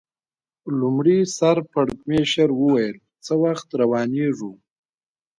لومړي سر پړکمشر وویل: څه وخت روانېږو؟